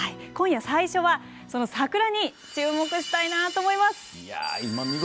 今夜、最初は桜に注目したいなと思います。